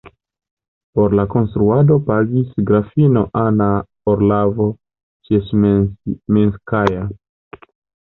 Por la konstruado pagis grafino Anna Orlova-Ĉesmenskaja.